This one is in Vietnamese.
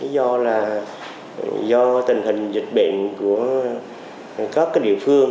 do là do tình hình dịch bệnh của các địa phương